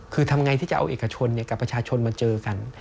คือทำไงที่จะเอาเอกชนกับประชาชนมาเจอกัน